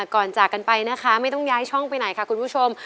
ก่อนจากกันไปนะคะไม่ต้องย้ายช่องไปไหนค่ะคุณผู้ชม